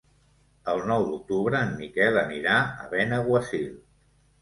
El nou d'octubre en Miquel anirà a Benaguasil.